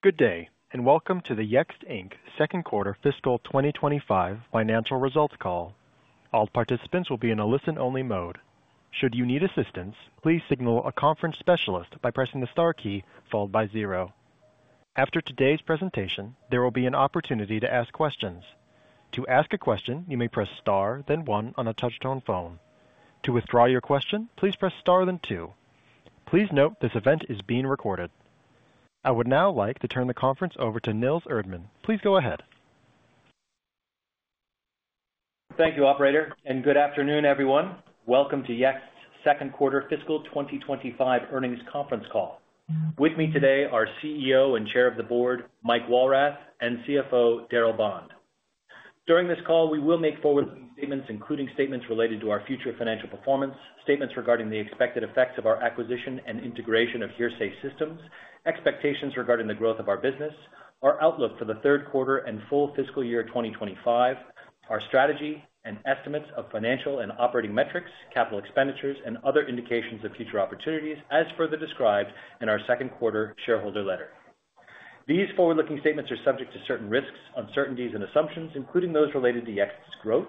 Good day, and welcome to the Yext Inc. second quarter Fiscal 2025 financial results call. All participants will be in a listen-only mode. Should you need assistance, please signal a conference specialist by pressing the star key followed by zero. After today's presentation, there will be an opportunity to ask questions. To ask a question, you may press Star, then one on a touchtone phone. To withdraw your question, please press Star, then two. Please note this event is being recorded. I would now like to turn the conference over to Nils Erdman. Please go ahead. Thank you, operator, and good afternoon, everyone. Welcome to Yext's second quarter Fiscal 2025 earnings conference call. With me today are CEO and Chair of the Board, Mike Walrath, and CFO, Darryl Bond. During this call, we will make forward-looking statements, including statements related to our future financial performance, statements regarding the expected effects of our acquisition and integration of Hearsay Systems, expectations regarding the growth of our business, our outlook for the third quarter and full fiscal year 2025, our strategy and estimates of financial and operating metrics, capital expenditures, and other indications of future opportunities, as further described in our second quarter shareholder letter. These forward-looking statements are subject to certain risks, uncertainties and assumptions, including those related to Yext's growth,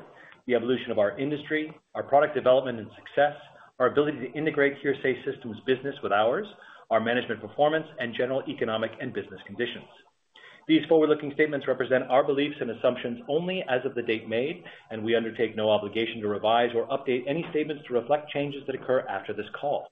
the evolution of our industry, our product development and success, our ability to integrate Hearsay Systems' business with ours, our management performance and general economic and business conditions. These forward-looking statements represent our beliefs and assumptions only as of the date made, and we undertake no obligation to revise or update any statements to reflect changes that occur after this call.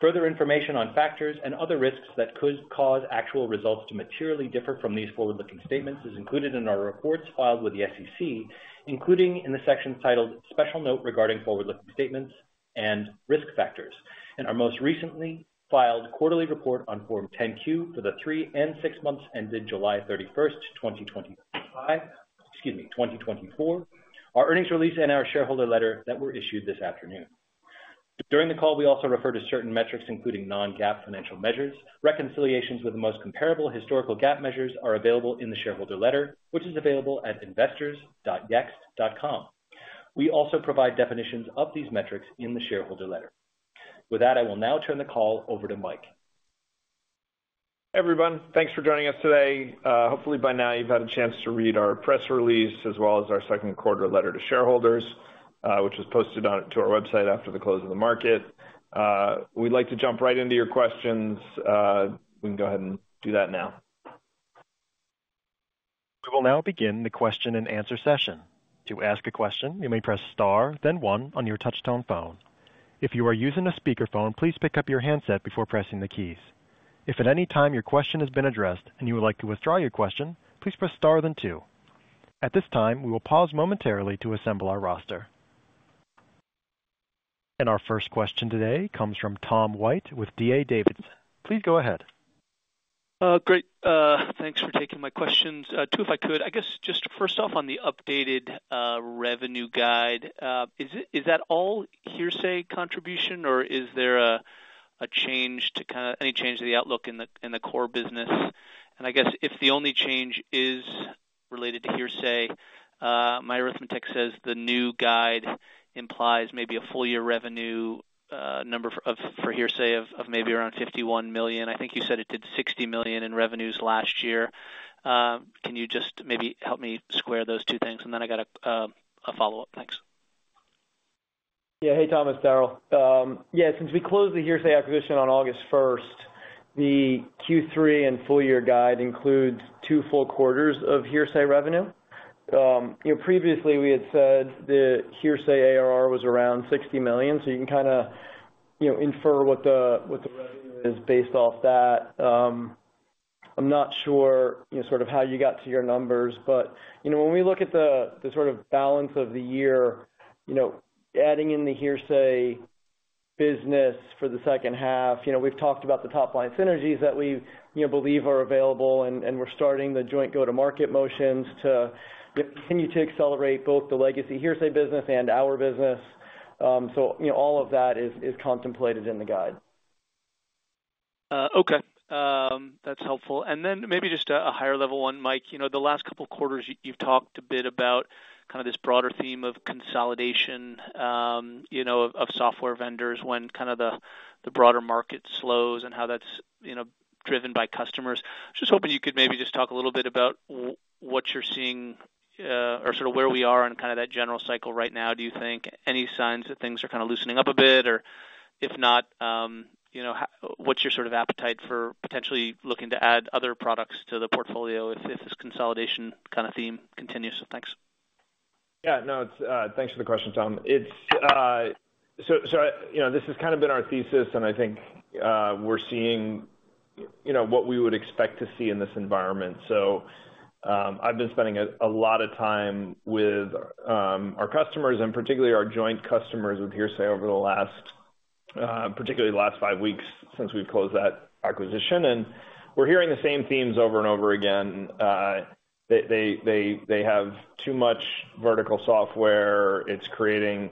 Further information on factors and other risks that could cause actual results to materially differ from these forward-looking statements is included in our reports filed with the SEC, including in the section titled Special Note regarding Forward-Looking Statements and Risk Factors, and our most recently filed quarterly report on Form 10-Q for the three and six months ended July 31, 2025. Excuse me, 2024. Our earnings release and our shareholder letter, that were issued this afternoon. During the call, we also refer to certain metrics, including non-GAAP financial measures. Reconciliations with the most comparable historical GAAP measures are available in the shareholder letter, which is available at investors.yext.com. We also provide definitions of these metrics in the shareholder letter. With that, I will now turn the call over to Mike. Everyone, thanks for joining us today. Hopefully by now you've had a chance to read our press release as well as our second quarter letter to shareholders, which was posted to our website after the close of the market. We'd like to jump right into your questions. We can go ahead and do that now. We will now begin the question-and-answer session. To ask a question, you may press Star, then one on your touchtone phone. If you are using a speakerphone, please pick up your handset before pressing the keys. If at any time your question has been addressed and you would like to withdraw your question, please press Star, then two. At this time, we will pause momentarily to assemble our roster. And our first question today comes from Tom White with D.A. Davidson. Please go ahead. Great. Thanks for taking my questions. Two, if I could. I guess just first off, on the updated revenue guide, is it- is that all Hearsay contribution, or is there a change to kind of... any change to the outlook in the core business? And I guess if the only change is related to Hearsay, my arithmetic says the new guide implies maybe a full year revenue number for Hearsay of maybe around $51 million. I think you said it did $60 million in revenues last year. Can you just maybe help me square those two things? And then I got a follow-up. Thanks. Yeah. Hey, Tom, Darryl. Yeah, since we closed the Hearsay acquisition on August 1, the Q3 and full year guide includes two full quarters of Hearsay revenue. You know, previously we had said the Hearsay ARR was around $60 million, so you can kind of, you know, infer what the revenue is based off that. I'm not sure, you know, sort of how you got to your numbers, but, you know, when we look at the sort of balance of the year, you know, adding in the Hearsay business for the second half, you know, we've talked about the top line synergies that we, you know, believe are available, and we're starting the joint go-to-market motions to continue to accelerate both the legacy Hearsay business and our business. So, you know, all of that is contemplated in the guide. Okay, that's helpful. And then maybe just a higher level one, Mike. You know, the last couple of quarters, you've talked a bit about kind of this broader theme of consolidation, you know, of software vendors when kind of the broader market slows and how that's, you know, driven by customers. Just hoping you could maybe just talk a little bit about what you're seeing, or sort of where we are in kind of that general cycle right now. Do you think any signs that things are kind of loosening up a bit? Or if not, you know, how... what's your sort of appetite for potentially looking to add other products to the portfolio if this consolidation kind of theme continues? So thanks. Yeah. No, it's. Thanks for the question, Tom. It's so, so, you know, this has kind of been our thesis, and I think, we're seeing, you know, what we would expect to see in this environment. So, I've been spending a lot of time with our customers and particularly our joint customers with Hearsay over the last, particularly the last five weeks since we've closed that acquisition, and we're hearing the same themes over and over again. They have too much vertical software. It's creating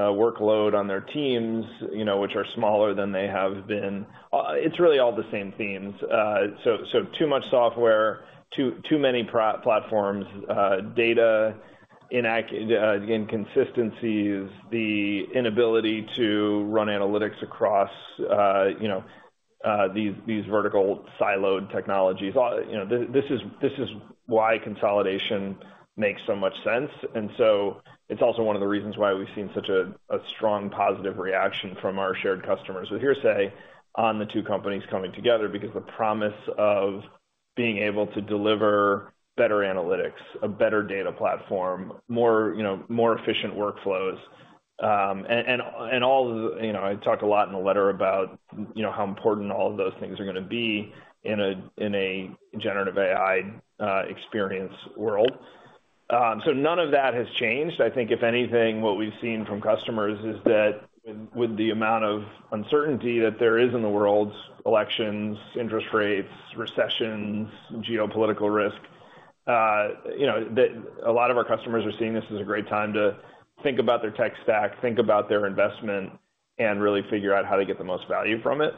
workload on their teams, you know, which are smaller than they have been. It's really all the same themes. So, so too much software, too many platforms, data inaccuracies, the inability to run analytics across, you know, these vertical siloed technologies. You know, this is why consolidation makes so much sense. And so it's also one of the reasons why we've seen such a strong positive reaction from our shared customers with Hearsay on the two companies coming together, because the promise of being able to deliver better analytics, a better data platform, more, you know, more efficient workflows, and all the, you know, I talked a lot in the letter about, you know, how important all of those things are gonna be in a generative AI experience world. So none of that has changed. I think if anything, what we've seen from customers is that with the amount of uncertainty that there is in the world, elections, interest rates, recessions, geopolitical risk, you know, that a lot of our customers are seeing this as a great time to think about their tech stack, think about their investment, and really figure out how to get the most value from it.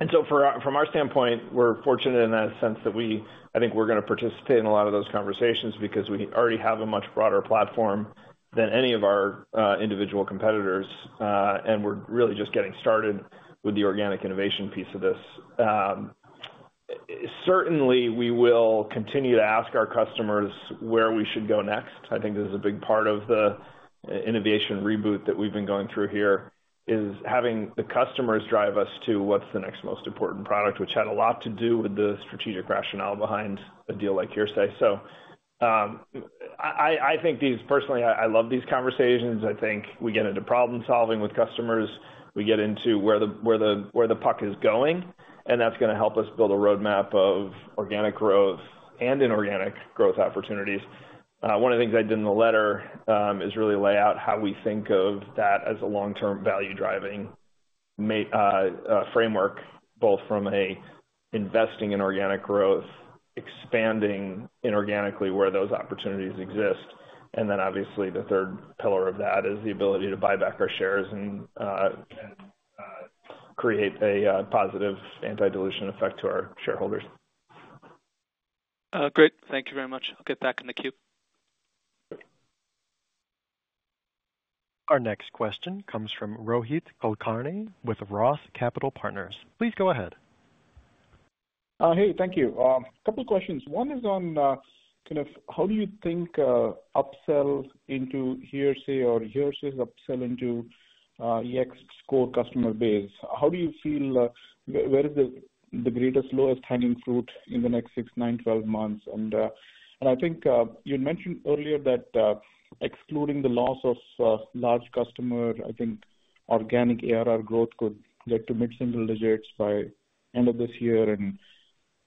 And so from our standpoint, we're fortunate in that sense that we, I think we're gonna participate in a lot of those conversations because we already have a much broader platform than any of our individual competitors, and we're really just getting started with the organic innovation piece of this. Certainly, we will continue to ask our customers where we should go next. I think this is a big part of the innovation reboot that we've been going through here, is having the customers drive us to what's the next most important product, which had a lot to do with the strategic rationale behind a deal like Hearsay. So, I think these personally, I love these conversations. I think we get into problem-solving with customers. We get into where the puck is going, and that's gonna help us build a roadmap of organic growth and inorganic growth opportunities. One of the things I did in the letter is really lay out how we think of that as a long-term value-driving framework, both from a investing in organic growth, expanding inorganically where those opportunities exist, and then obviously, the third pillar of that is the ability to buy back our shares and create a positive anti-dilution effect to our shareholders. Great. Thank you very much. I'll get back in the queue. Our next question comes from Rohit Kulkarni with Roth Capital Partners. Please go ahead. Hey, thank you. A couple questions. One is on kind of how do you think upsells into Hearsay or Hearsay's upsell into Yext's core customer base? How do you feel where is the greatest lowest hanging fruit in the next 6, 9, 12 months? And I think you had mentioned earlier that excluding the loss of large customer, I think organic ARR growth could get to mid-single digits by end of this year and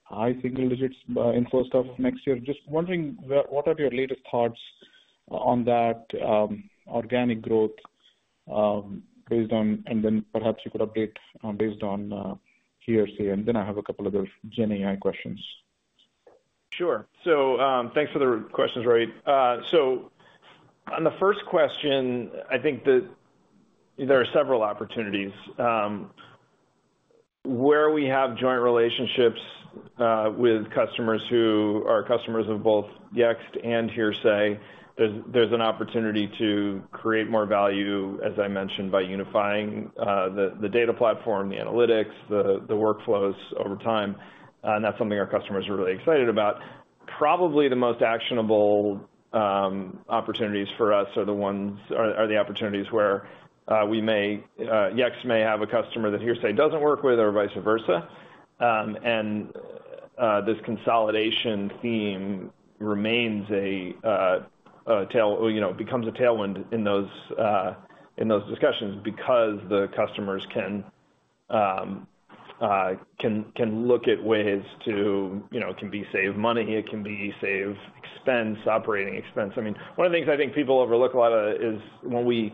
high single digits by in first half of next year. Just wondering where what are your latest thoughts on that organic growth based on... And then perhaps you could update based on Hearsay, and then I have a couple of other GenAI questions. Sure. So, thanks for the questions, Rohit. So on the first question, I think that there are several opportunities where we have joint relationships with customers who are customers of both Yext and Hearsay. There's an opportunity to create more value, as I mentioned, by unifying the data platform, the analytics, the workflows over time. And that's something our customers are really excited about. Probably the most actionable opportunities for us are the opportunities where Yext may have a customer that Hearsay doesn't work with or vice versa. This consolidation theme remains a tailwind, you know, becomes a tailwind in those discussions because the customers can look at ways to, you know, it can be save money, it can be save expense, operating expense. I mean, one of the things I think people overlook a lot is when we,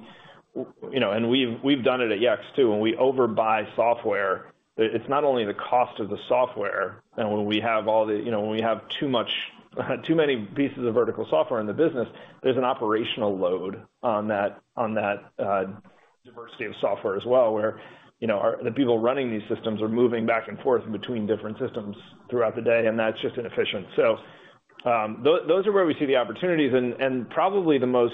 you know, and we've done it at Yext too, when we overbuy software, it's not only the cost of the software and when we have all the... You know, when we have too much, too many pieces of vertical software in the business, there's an operational load on that diversity of software as well, where, you know, the people running these systems are moving back and forth between different systems throughout the day, and that's just inefficient. So, those are where we see the opportunities, and probably the most,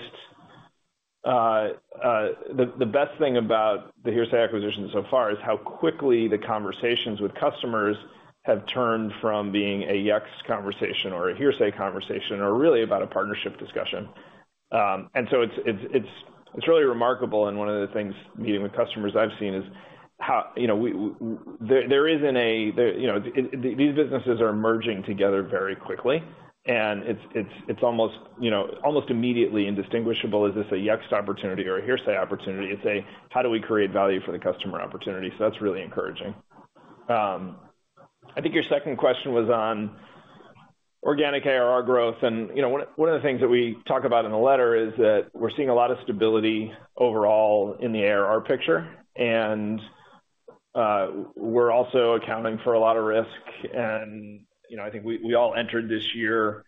the best thing about the Hearsay acquisition so far is how quickly the conversations with customers have turned from being a Yext conversation or a Hearsay conversation, or really about a partnership discussion, and so it's really remarkable, and one of the things meeting with customers I've seen is how you know there isn't a there you know these businesses are merging together very quickly, and it's almost you know almost immediately indistinguishable. Is this a Yext opportunity or a Hearsay opportunity? It's a how do we create value for the customer opportunity, so that's really encouraging. I think your second question was on organic ARR growth, and, you know, one of the things that we talk about in the letter is that we're seeing a lot of stability overall in the ARR picture, and we're also accounting for a lot of risk. And, you know, I think we all entered this year,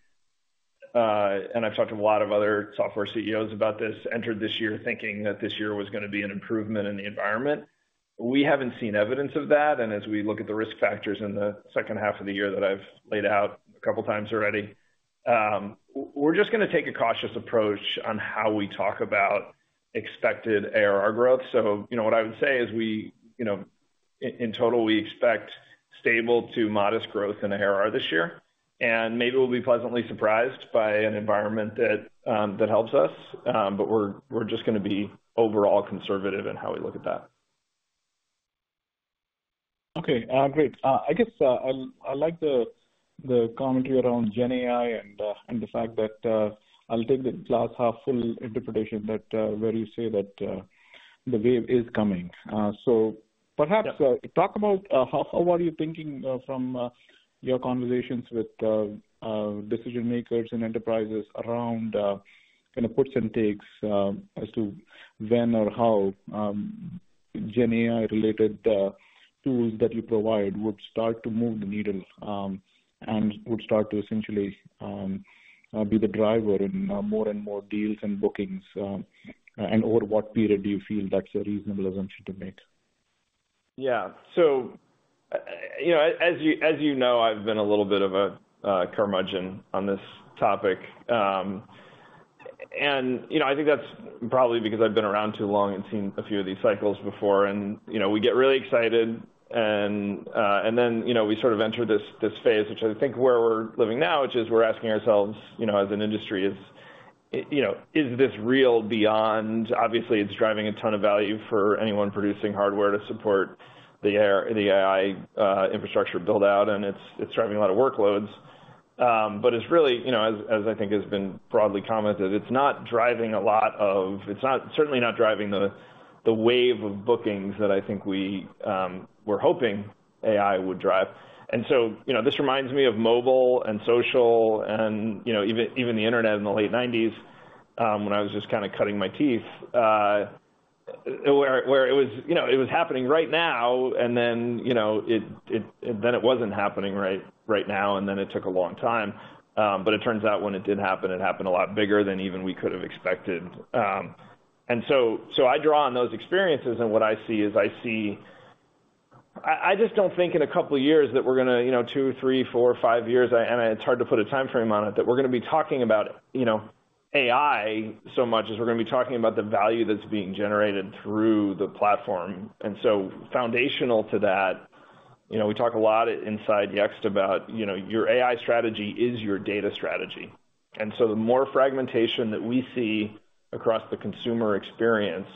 and I've talked to a lot of other software CEOs about this, entered this year thinking that this year was gonna be an improvement in the environment. We haven't seen evidence of that, and as we look at the risk factors in the second half of the year that I've laid out a couple times already. We're just gonna take a cautious approach on how we talk about expected ARR growth. So, you know, what I would say is we, you know, in total, we expect stable to modest growth in the ARR this year, and maybe we'll be pleasantly surprised by an environment that helps us. But we're just gonna be overall conservative in how we look at that. Okay, great. I guess I like the commentary around GenAI and the fact that I'll take the glass half full interpretation that where you say that the wave is coming. So perhaps- Yeah... talk about how you are thinking from your conversations with decision makers and enterprises around kind of puts and takes as to when or how GenAI-related tools that you provide would start to move the needle and would start to essentially be the driver in more and more deals and bookings and over what period do you feel that's a reasonable assumption to make? Yeah. So, you know, as you, as you know, I've been a little bit of a curmudgeon on this topic. And, you know, I think that's probably because I've been around too long and seen a few of these cycles before, and, you know, we get really excited and then, you know, we sort of enter this phase, which I think where we're living now, which is we're asking ourselves, you know, as an industry, is, you know, is this real beyond... Obviously, it's driving a ton of value for anyone producing hardware to support the AI infrastructure build-out, and it's driving a lot of workloads. But it's really, you know, as I think has been broadly commented, it's not driving a lot of, it's not, certainly not driving the wave of bookings that I think we were hoping AI would drive. And so, you know, this reminds me of mobile and social and, you know, even the internet in the late nineties, when I was just kinda cutting my teeth, where it was, you know, it was happening right now, and then, you know, it then it wasn't happening right now, and then it took a long time. But it turns out when it did happen, it happened a lot bigger than even we could have expected. And so, so I draw on those experiences, and what I see is, I see... I just don't think in a couple of years that we're gonna, you know, two, three, four, five years, and it's hard to put a time frame on it, that we're gonna be talking about, you know, AI so much as we're gonna be talking about the value that's being generated through the platform. And so foundational to that, you know, we talk a lot inside Yext about, you know, your AI strategy is your data strategy. And so the more fragmentation that we see across the consumer experience,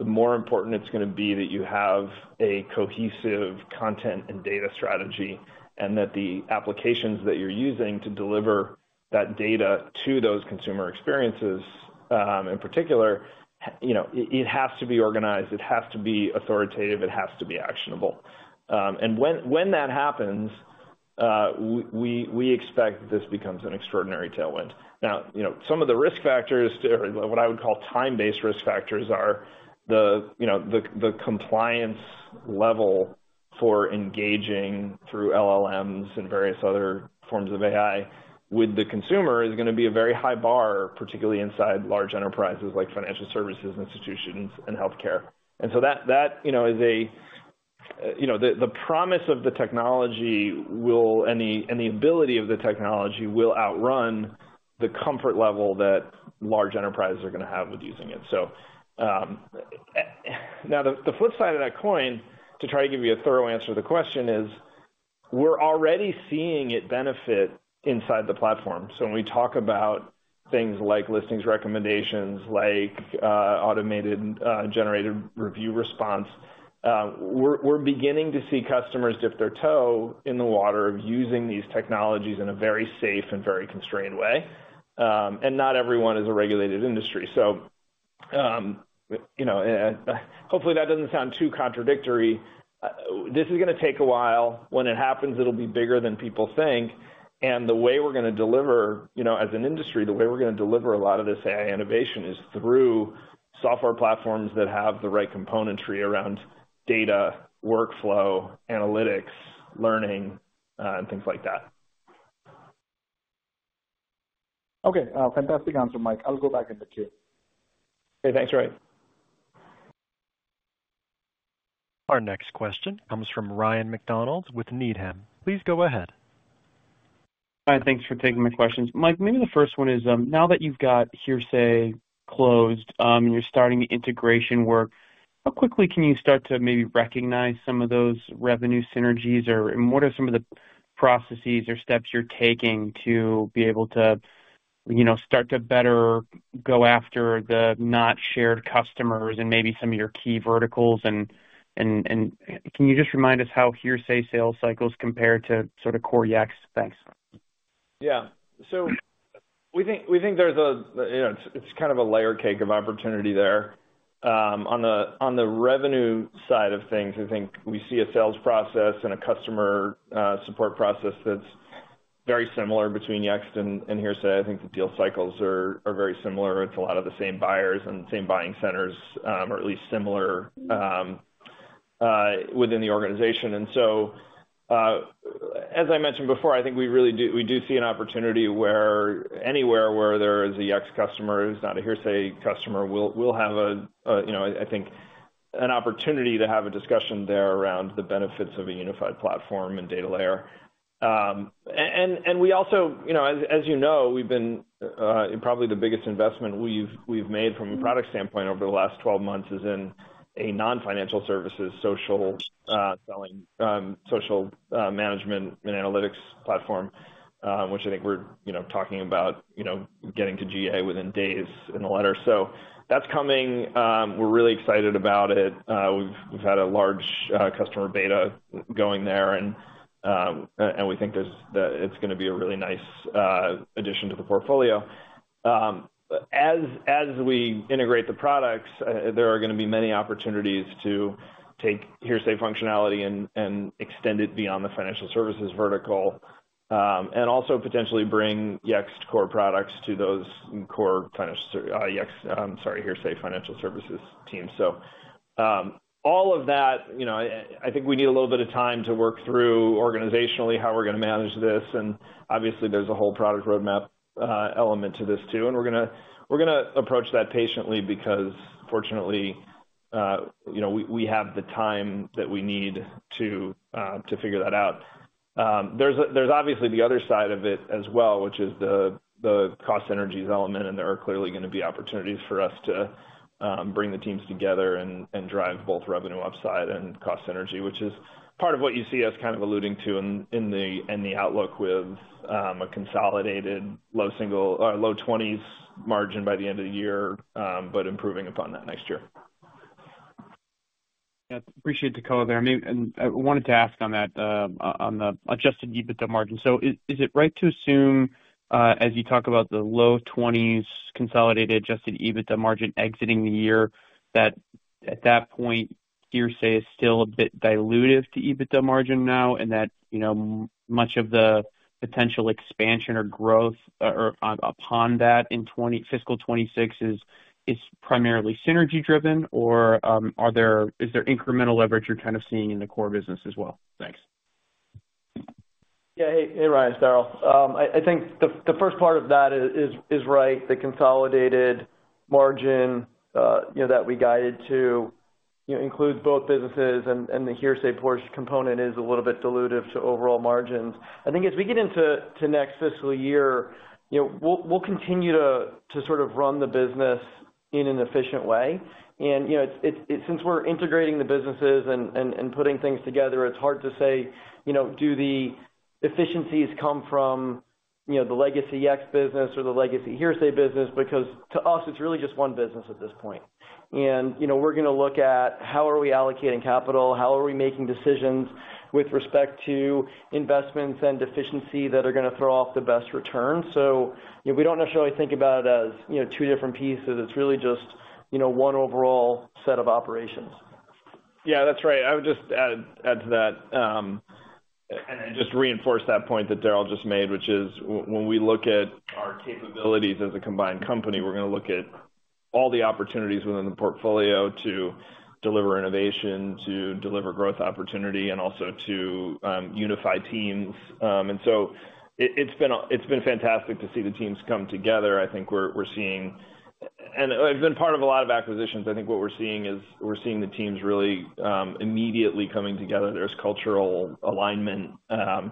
the more important it's gonna be that you have a cohesive content and data strategy, and that the applications that you're using to deliver that data to those consumer experiences, in particular, you know, it has to be organized, it has to be authoritative, it has to be actionable. When that happens, we expect this becomes an extraordinary tailwind. Now, you know, some of the risk factors, or what I would call time-based risk factors, are the compliance level for engaging through LLMs and various other forms of AI with the consumer is gonna be a very high bar, particularly inside large enterprises like financial services institutions, and healthcare. And so that you know is a, the promise of the technology will and the ability of the technology will outrun the comfort level that large enterprises are gonna have with using it. Now, the flip side of that coin, to try to give you a thorough answer to the question is, we're already seeing it benefit inside the platform. When we talk about things like listings, recommendations, like automated generated review response, we're beginning to see customers dip their toe in the water of using these technologies in a very safe and very constrained way. And not everyone is a regulated industry. You know, hopefully, that doesn't sound too contradictory. This is gonna take a while. When it happens, it'll be bigger than people think, and the way we're gonna deliver, you know, as an industry, the way we're gonna deliver a lot of this AI innovation is through software platforms that have the right componentry around data, workflow, analytics, learning, and things like that. Okay, fantastic answer, Mike. I'll go back in the queue. Okay, thanks, Ray. Our next question comes from Ryan MacDonald with Needham. Please go ahead. Hi, thanks for taking my questions. Mike, maybe the first one is, now that you've got Hearsay closed, and you're starting the integration work, how quickly can you start to maybe recognize some of those revenue synergies, or, and what are some of the processes or steps you're taking to be able to, you know, start to better go after the not shared customers and maybe some of your key verticals, and can you just remind us how Hearsay sales cycles compare to sort of core Yext? Thanks. Yeah. So we think there's a, you know, it's kind of a layer cake of opportunity there. On the revenue side of things, I think we see a sales process and a customer support process that's very similar between Yext and Hearsay. I think the deal cycles are very similar. It's a lot of the same buyers and same buying centers, or at least similar, within the organization. And so, as I mentioned before, I think we really do see an opportunity where there is a Yext customer who's not a Hearsay customer, we'll have a, you know, an opportunity to have a discussion there around the benefits of a unified platform and data layer. And we also, you know, as you know, we've been, and probably the biggest investment we've made from a product standpoint over the last 12 months is in a non-financial services social selling social management and analytics platform, which I think we're, you know, talking about, you know, getting to GA within days in the letter. So that's coming. We're really excited about it. We've had a large customer beta going there, and we think that it's gonna be a really nice addition to the portfolio. As we integrate the products, there are gonna be many opportunities to take Hearsay functionality and extend it beyond the financial services vertical, and also potentially bring Yext core products to those core kind of ser- Yext. Sorry, Hearsay financial services teams. So, all of that, you know, I think we need a little bit of time to work through organizationally, how we're gonna manage this. And obviously, there's a whole product roadmap element to this too, and we're gonna approach that patiently because fortunately, you know, we have the time that we need to figure that out. There's obviously the other side of it as well, which is the cost synergies element, and there are clearly gonna be opportunities for us to bring the teams together and drive both revenue upside and cost synergy, which is part of what you see us kind of alluding to in the outlook with a consolidated low single- or low twenties margin by the end of the year, but improving upon that next year. Yeah, appreciate the color there. I mean, and I wanted to ask on that, on the adjusted EBITDA margin. So is it right to assume, as you talk about the low twenties consolidated adjusted EBITDA margin exiting the year, that at that point, Hearsay is still a bit dilutive to EBITDA margin now, and that, you know, much of the potential expansion or growth, or upon that in fiscal twenty six, is primarily synergy driven, or, is there incremental leverage you're kind of seeing in the core business as well? Thanks. Yeah. Hey, Ryan, it's Darryl. I think the first part of that is right. The consolidated margin, you know, that we guided to, you know, includes both businesses, and the Hearsay portion component is a little bit dilutive to overall margins. I think as we get into next fiscal year, you know, we'll continue to sort of run the business in an efficient way. And since we're integrating the businesses and putting things together, it's hard to say, you know, do the efficiencies come from, you know, the legacy Yext business or the legacy Hearsay business? Because to us, it's really just one business at this point. You know, we're gonna look at how are we allocating capital, how are we making decisions with respect to investments and efficiency that are gonna throw off the best return. You know, we don't necessarily think about it as, you know, two different pieces. It's really just, you know, one overall set of operations. Yeah, that's right. I would just add to that, and just reinforce that point that Darryl just made, which is when we look at our capabilities as a combined company, we're gonna look at all the opportunities within the portfolio to deliver innovation, to deliver growth opportunity, and also to unify teams. And so it's been fantastic to see the teams come together. I think we're seeing, and I've been part of a lot of acquisitions. I think what we're seeing is, we're seeing the teams really immediately coming together. There's cultural alignment, and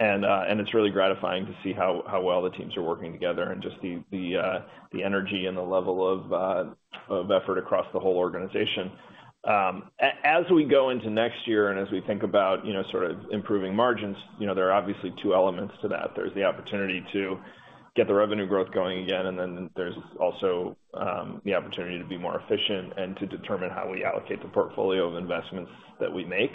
it's really gratifying to see how well the teams are working together and just the energy and the level of effort across the whole organization. As we go into next year and as we think about, you know, sort of improving margins, you know, there are obviously two elements to that. There's the opportunity to get the revenue growth going again, and then there's also the opportunity to be more efficient and to determine how we allocate the portfolio of investments that we make.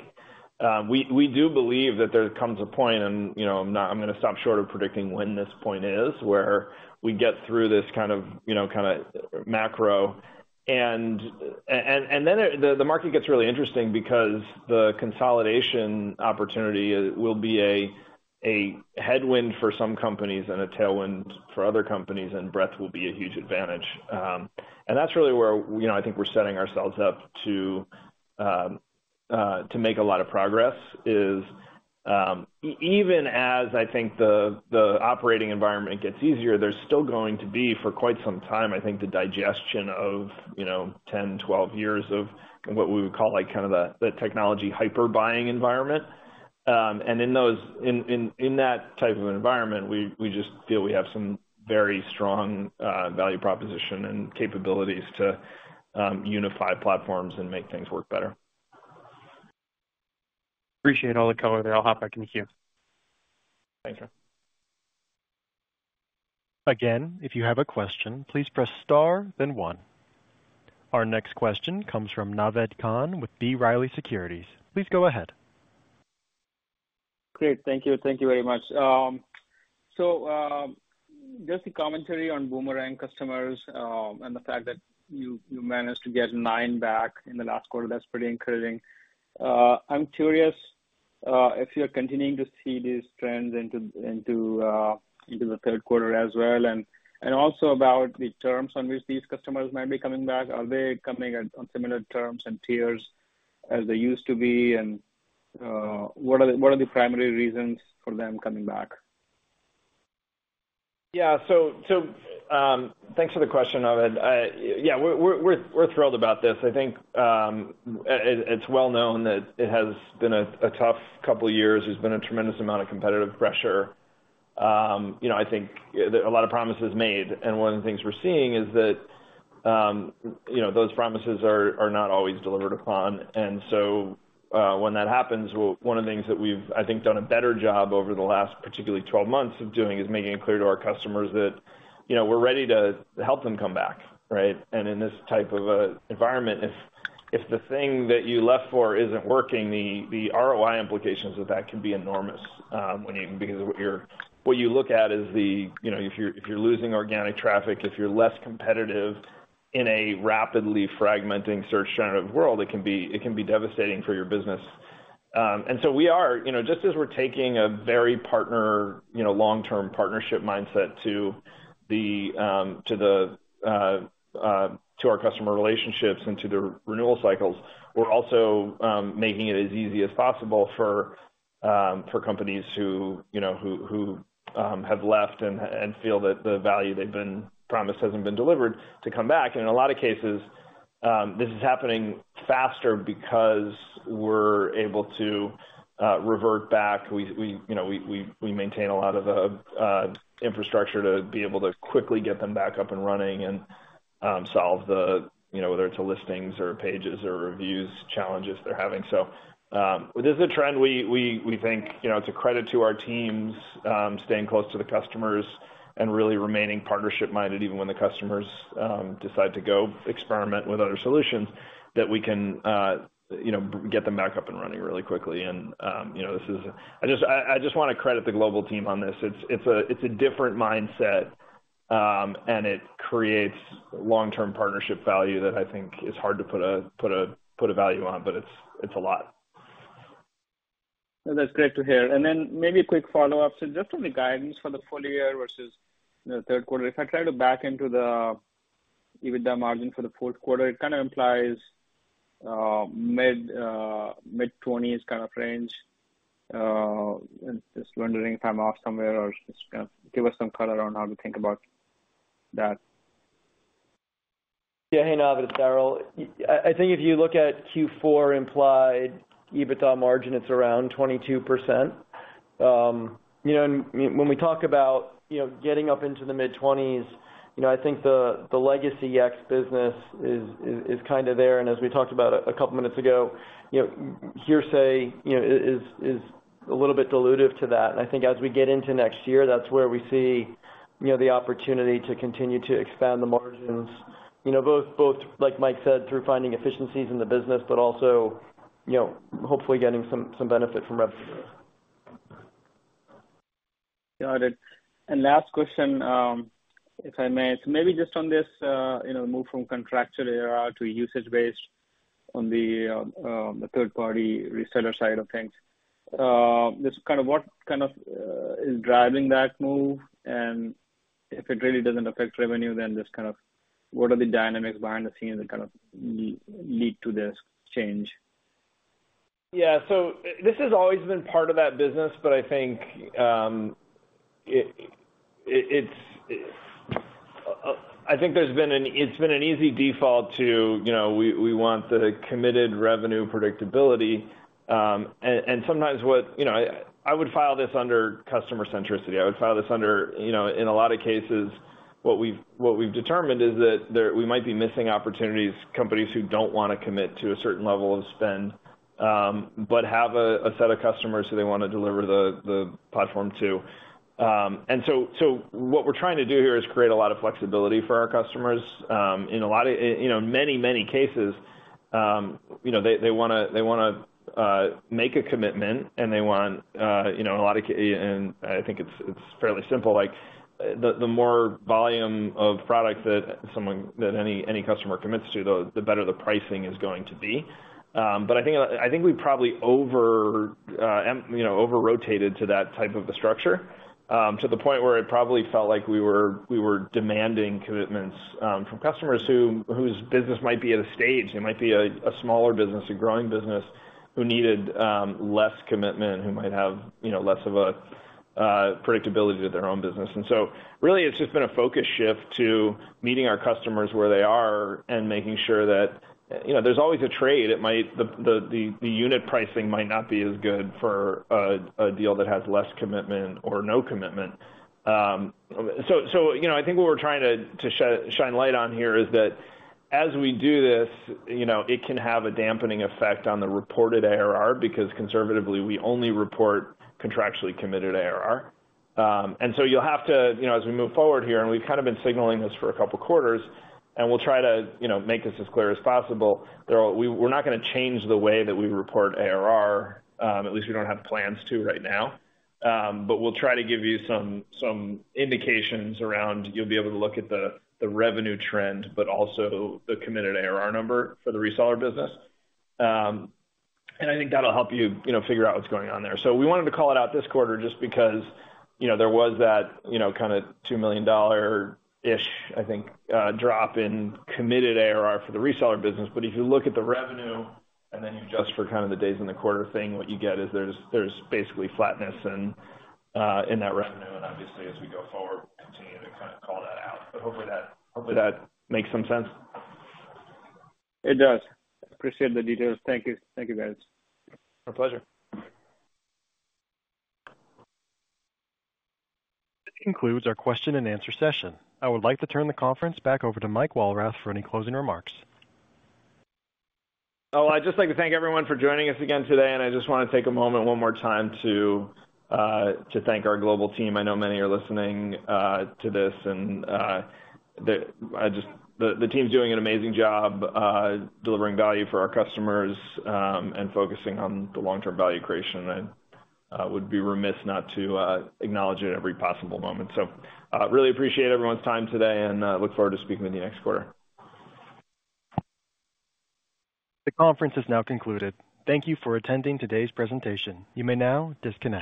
We do believe that there comes a point, and, you know, I'm gonna stop short of predicting when this point is, where we get through this kind of, you know, kind of macro. And then the market gets really interesting because the consolidation opportunity will be a headwind for some companies and a tailwind for other companies, and breadth will be a huge advantage. And that's really where, you know, I think we're setting ourselves up to make a lot of progress, is even as I think the operating environment gets easier, there's still going to be, for quite some time, I think, the digestion of, you know, ten, twelve years of what we would call, like, kind of the technology hyper buying environment. And in that type of environment, we just feel we have some very strong value proposition and capabilities to unify platforms and make things work better. Appreciate all the color there. I'll hop back in the queue. Thank you. Again, if you have a question, please press star then one. Our next question comes from Naved Khan with B. Riley Securities. Please go ahead. Great. Thank you. Thank you very much. So, just a commentary on boomerang customers, and the fact that you managed to get nine back in the last quarter, that's pretty encouraging. I'm curious if you're continuing to see these trends into the third quarter as well, and also about the terms on which these customers might be coming back. Are they coming on similar terms and tiers as they used to be? And what are the primary reasons for them coming back?... Yeah, so, thanks for the question, Naved. Yeah, we're thrilled about this. I think, it's well known that it has been a tough couple of years. There's been a tremendous amount of competitive pressure. You know, I think there are a lot of promises made, and one of the things we're seeing is that, you know, those promises are not always delivered upon. And so, when that happens, well, one of the things that we've, I think, done a better job over the last particularly twelve months of doing, is making it clear to our customers that, you know, we're ready to help them come back, right? And in this type of a environment, if the thing that you left for isn't working, the ROI implications of that can be enormous. Because what you look at is, you know, if you're losing organic traffic, if you're less competitive in a rapidly fragmenting search generative world, it can be devastating for your business, and so we are, you know, just as we're taking a very partner, you know, long-term partnership mindset to the to our customer relationships and to the renewal cycles, we're also making it as easy as possible for companies who, you know, who have left and feel that the value they've been promised hasn't been delivered, to come back. And in a lot of cases, this is happening faster because we're able to revert back. We, you know, we maintain a lot of the infrastructure to be able to quickly get them back up and running and solve the, you know, whether it's Listings or Pages or Reviews, challenges they're having. So, this is a trend we think, you know, it's a credit to our teams, staying close to the customers and really remaining partnership-minded, even when the customers decide to go experiment with other solutions, that we can, you know, get them back up and running really quickly. And, you know, this is. I just want to credit the global team on this. It's a different mindset, and it creates long-term partnership value that I think is hard to put a value on, but it's a lot. That's great to hear. Maybe a quick follow-up. Just on the guidance for the full year versus the third quarter, if I try to back into the EBITDA margin for the fourth quarter, it kind of implies mid-twenties kind of range. Just wondering if I'm off somewhere or just give us some color on how to think about that. Yeah. Hey, Naved, it's Darryl. I think if you look at Q4 implied EBITDA margin, it's around 22%. You know, and when we talk about, you know, getting up into the mid-20s%, you know, I think the legacy Yext business is kind of there. And as we talked about a couple of minutes ago, you know, Hearsay, you know, is a little bit dilutive to that. And I think as we get into next year, that's where we see, you know, the opportunity to continue to expand the margins. You know, both, like Mike said, through finding efficiencies in the business, but also, you know, hopefully getting some benefit from rep. Got it. And last question, if I may. So maybe just on this, you know, move from contractual ARR to usage-based on the third-party reseller side of things. Just kind of what kind of is driving that move? And if it really doesn't affect revenue, then just kind of what are the dynamics behind the scenes that kind of lead to this change? Yeah. So this has always been part of that business, but I think it's been an easy default to, you know, we want the committed revenue predictability. And sometimes you know, I would file this under customer centricity. I would file this under, you know, in a lot of cases, what we've determined is that we might be missing opportunities, companies who don't want to commit to a certain level of spend, but have a set of customers who they want to deliver the platform to. And so what we're trying to do here is create a lot of flexibility for our customers. In a lot of, you know, many, many cases, you know, they wanna make a commitment, and they want, you know, and I think it's fairly simple, like, the more volume of product that someone, any customer commits to, the better the pricing is going to be. But I think we probably over-rotated to that type of a structure, to the point where it probably felt like we were demanding commitments from customers whose business might be at a stage, it might be a smaller business, a growing business, who needed less commitment, who might have, you know, less of a predictability to their own business. And so really, it's just been a focus shift to meeting our customers where they are and making sure that, you know, there's always a trade. It might. The unit pricing might not be as good for a deal that has less commitment or no commitment. So, you know, I think what we're trying to shine light on here is that as we do this, you know, it can have a dampening effect on the reported ARR, because conservatively, we only report contractually committed ARR. And so you'll have to, you know, as we move forward here, and we've kind of been signaling this for a couple of quarters, and we'll try to, you know, make this as clear as possible. We're not gonna change the way that we report ARR, at least we don't have plans to right now. But we'll try to give you some indications around... You'll be able to look at the revenue trend, but also the committed ARR number for the reseller business. And I think that'll help you, you know, figure out what's going on there. So we wanted to call it out this quarter just because, you know, there was that, you know, kind of $2 million-ish, I think, drop in committed ARR for the reseller business. But if you look at the revenue and then you adjust for kind of the days in the quarter thing, what you get is there's basically flatness and in that revenue. Obviously, as we go forward, we continue to kind of call that out, but hopefully that, hopefully that makes some sense. It does. Appreciate the details. Thank you. Thank you, guys. My pleasure. This concludes our question and answer session. I would like to turn the conference back over to Mike Walrath for any closing remarks. I'd just like to thank everyone for joining us again today, and I just want to take a moment, one more time to thank our global team. I know many are listening to this, and the team's doing an amazing job delivering value for our customers and focusing on the long-term value creation. And would be remiss not to acknowledge it at every possible moment. Really appreciate everyone's time today, and look forward to speaking with you next quarter. The conference is now concluded. Thank you for attending today's presentation. You may now disconnect.